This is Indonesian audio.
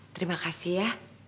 terima kasih ya